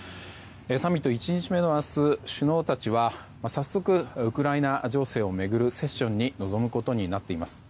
サミット１日目の明日首脳たちは早速、ウクライナ情勢を巡るセッションに臨むことになっています。